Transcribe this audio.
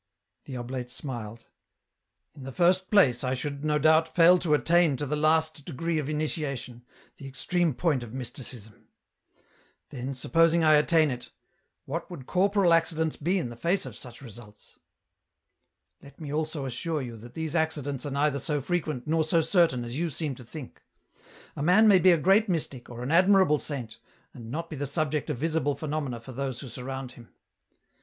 The oblate smiled. " In the first place I should, no doubt, fail to attain to the last degree of initiation, the extreme point of mysticism ; then, supposing I attain it, what would corporal accidents be in the face of such results ?" Let me also assure you that these accidents are neither so frequent nor so certain as you seem to think. " A man may be a great mystic, or an admirable saint, and not be the subject of visible phenomena for those who surround him.